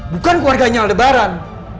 bukan keluarganya aldebaran